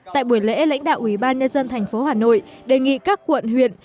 tại buổi lễ lãnh đạo ủy ban nhân dân thành phố hà nội đề nghị các quận huyện